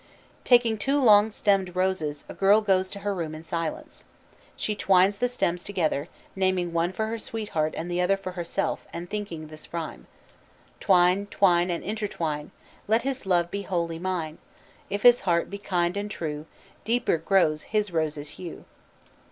Taking two long stemmed roses, a girl goes to her room in silence. She twines the stems together, naming one for her sweetheart and the other for herself, and thinking this rhyme: "Twine, twine, and intertwine. Let his love be wholly mine. If his heart be kind and true, Deeper grow his rose's hue."